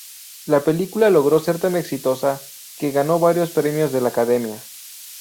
La película logró ser tan exitosa que ganó varios Premios de la Academia.